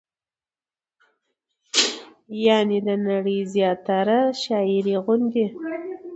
يعنې د نړۍ د زياتره شاعرۍ غوندې